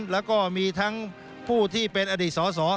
แล้วก็มีทั้งผู้ที่เป็นอดีตสอสอ